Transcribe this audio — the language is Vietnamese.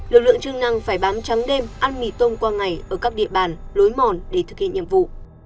lực lượng chức năng phải bám trắng đêm ăn mì tôm qua ngày ở các địa bàn lối mòn để thực hiện nhiệm vụ